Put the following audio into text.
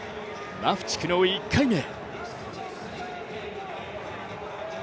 マフチクの１回目。